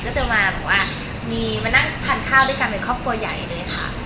เจอมาแบบว่ามีมานั่งทานข้าวด้วยกันเป็นครอบครัวใหญ่เลยค่ะ